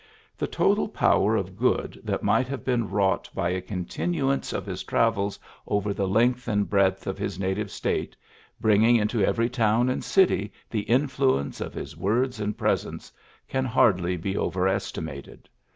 The total power of good that might have been wrought by a continuance of his travels over the length and breadth of his native State, bringing into every town and city the influence of his words and presence, can hardly be overestimated.